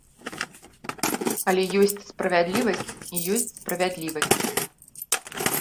Але ёсць справядлівасць і ёсць справядлівасць.